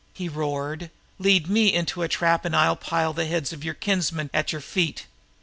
he roared. "Lead me into a trap and I'll pile the heads of your kinsmen at your feet.